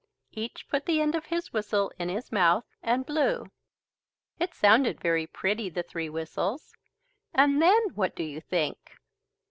Each put the end of his whistle in his mouth and blew. It sounded very pretty, the three whistles and then what do you think?